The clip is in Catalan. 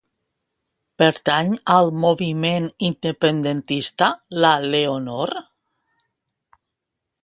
Pertany al moviment independentista la Leonor?